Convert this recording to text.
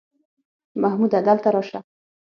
محموده دلته راسه!